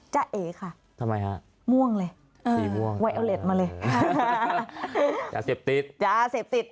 จ๊ะเอก่ะม่วงเลยเว้อเรดมาเลยจะเสพติด